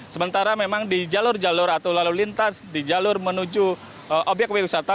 sementara memang di jalur jalur atau lalu lintas di jalur menuju obyek wisata